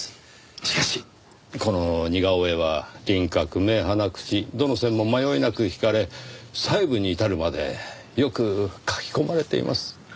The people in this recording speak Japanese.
しかしこの似顔絵は輪郭目鼻口どの線も迷いなく引かれ細部に至るまでよく描き込まれています。